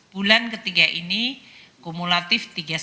bulan ketiga ini kumulatif rp tiga ratus sembilan puluh tiga sembilan triliun